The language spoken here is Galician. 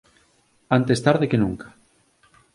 Antes tarde que nunca.